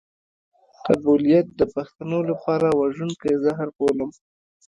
قبيلويت د پښتنو لپاره وژونکی زهر بولم.